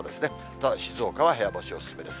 ただ静岡は部屋干しお勧めです。